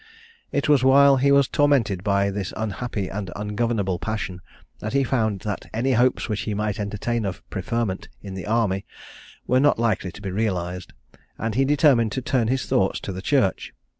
It was while he was tormented by this unhappy and ungovernable passion that he found that any hopes which he might entertain of preferment in the army were not likely to be realised, and he determined to turn his thoughts to the church.